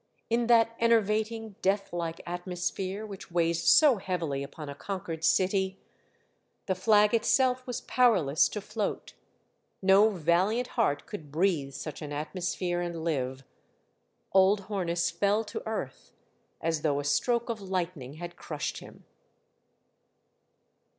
In that enervating, deathlike atmosphere which weighs so heavily upon a conquered city, the flag itself was powerless to float ; no valiant heart could breathe such an atmos phere and live. Old Hornus fell to earth, as though a stroke of lightning had crushed him.